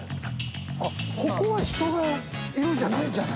あっここは人がいるんじゃないですか？